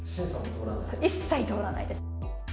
一切通らないです。